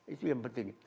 itu yang penting